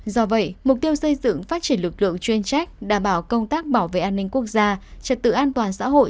do vậy mục tiêu xây dựng phát triển lực lượng chuyên trách đảm bảo công tác bảo vệ an ninh quốc gia trật tự an toàn xã hội